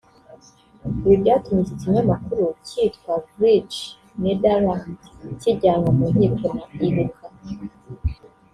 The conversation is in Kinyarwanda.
Ibi byatumye iki kinyamakuru cyitwa Vrij Nederland kijyanwa mu nkiko na Ibuka